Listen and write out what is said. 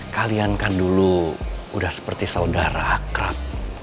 kalian kan dulu udah seperti saudara akrab